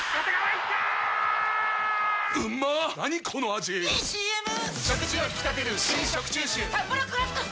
⁉いいＣＭ！！